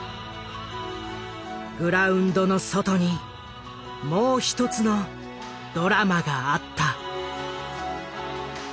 グラウンドの外にもう一つのドラマがあった。